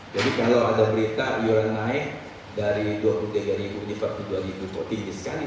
jadi kalau ada berita iuran naik dari dua puluh tiga ke empat puluh dua potensi sekali